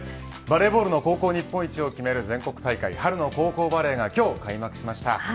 バレーボールの高校日本一を決める全国大会春の高校バレーが今日開幕しました。